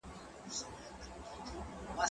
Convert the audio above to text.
دا نان له هغه تازه دی